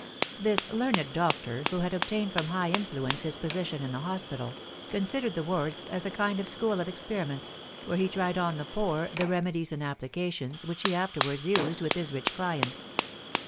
This learned doctor, who had obtained from high influence his position in the hospital, considered the wards as a kind of school of experiments, where he tried on the poor the remedies and applications which he afterwards used with his rich clients.